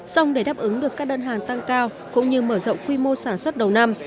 xong để đáp ứng được các đơn hàng tăng cao cũng như mở rộng quy mô sản xuất đầu năm